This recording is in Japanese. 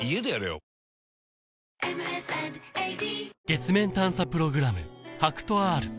月面探査プログラム